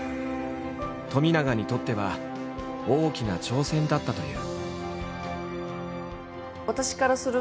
冨永にとっては大きな挑戦だったという。